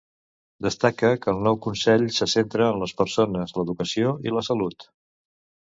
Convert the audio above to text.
Destaca que el nou Consell se centra en les persones, l'educació i la salut.